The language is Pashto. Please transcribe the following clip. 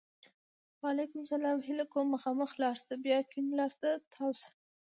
وعلیکم سلام! هیله کوم! مخامخ لاړ شه! بیا کیڼ لاس ته تاو شه!